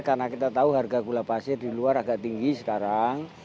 karena kita tahu harga gula pasir di luar agak tinggi sekarang